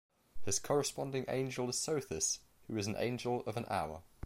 His corresponding angel is Sothis, who is an angel of an hour.